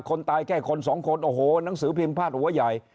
คนตายแค่คนสองคนโอ้โหหนังสือพิมพ์พาดหัวใหญ่